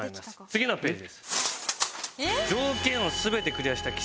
次のページです。